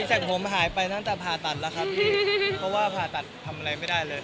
จากผมหายไปตั้งแต่ผ่าตัดแล้วครับเพราะว่าผ่าตัดทำอะไรไม่ได้เลย